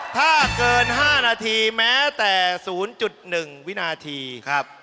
ถ้าเกิน๕นาทีแม้แต่๐๑วินาที